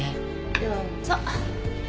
どうぞ。